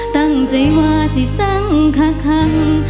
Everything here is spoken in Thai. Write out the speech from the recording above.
ตั้งใจว่าสิสังคัง